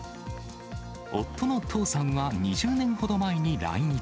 夫のトウさんは２０年ほど前に来日。